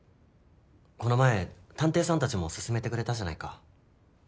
この前探偵さんたちも勧めてくれたじゃないか。